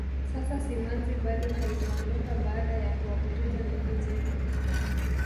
sasa simanzi bado haijaondoka baada ya kuwapoteza ndugu zetu